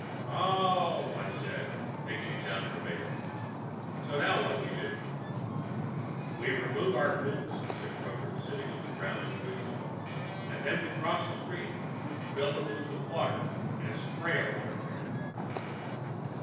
"Oh," I said, taking it down verbatim. "So now what do we do?" "We remove our boots," said Kroger, sitting on the ground and doing so, "and then we cross this stream, fill the boots with water, and spray our way to freedom."